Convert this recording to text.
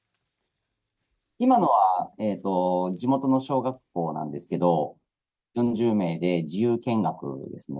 今のは、地元の小学校なんですけれども、４０名で自由見学ですね。